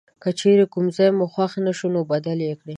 که چیرې کوم ځای مو خوښ نه شو نو بدل یې کړئ.